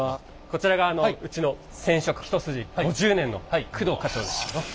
こちらがうちの染色一筋５０年の工藤課長です。